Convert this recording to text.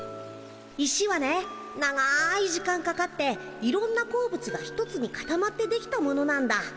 石はね長い時間かかっていろんな鉱物が一つにかたまってできたものなんだ。